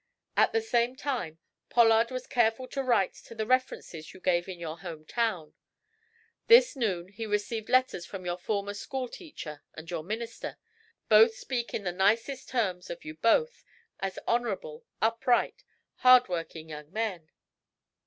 At the same time Pollard was careful to write to the references you gave in your home town. This noon he received letters from your former school teacher and your minister. Both speak in the nicest terms of you both, as honorable, upright, hard working young men."